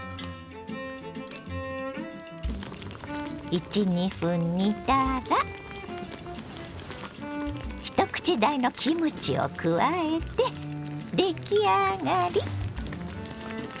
１２分煮たら一口大のキムチを加えて出来上がり！